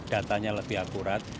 datanya lebih akurat